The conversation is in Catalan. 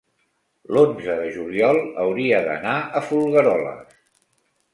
l'onze de juliol hauria d'anar a Folgueroles.